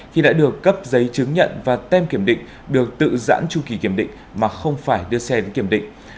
khi đã được cấp giấy chứng nhận và tem kiểm định được tự giãn tru kỳ kiểm định mà không phải đưa xe đến kiểm định